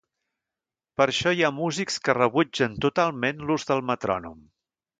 Per això hi ha músics que rebutgen totalment l'ús del metrònom.